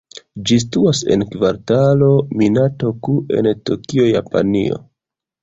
Ĝi situas en Kvartalo Minato-ku en Tokio, Japanio.